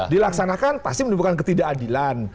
dilaksanakan pasti menyebutkan ketidakadilan